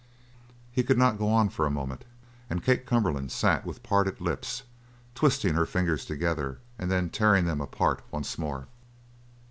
He could not go on for a moment, and Kate Cumberland sat with parted lips, twisting her fingers together and then tearing them apart once more.